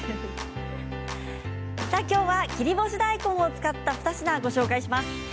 きょうは切り干し大根を使った２品をご紹介します。